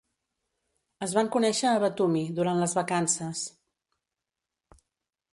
Es van conèixer a Batumi durant les vacances.